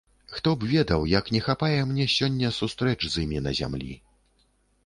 Хто б ведаў, як не хапае мне сёння сустрэч з імі на зямлі!